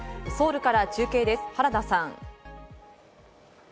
ソウルから中継です、原田さん。